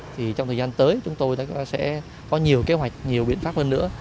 thì trong thời gian tới chúng tôi sẽ có nhiều kế hoạch nhiều biện pháp hơn nữa